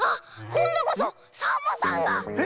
こんどこそサボさんが！